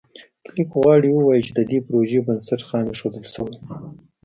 کلېک غواړي ووایي چې د دې پروژې بنسټ خام ایښودل شوی و.